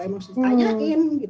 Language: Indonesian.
emotions ditanyain gitu